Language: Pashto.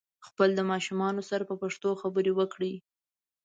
خپل د ماشومانو سره په پښتو خبري وکړئ